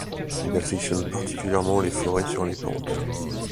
Il affectionne particulièrement les forêts sur les pentes.